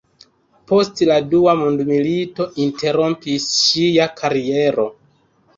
Post la dua mondmilito interrompis ŝia kariero.